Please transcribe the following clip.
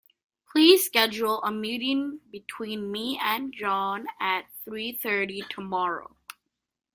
Please schedule a meeting between me and John at three thirty tomorrow.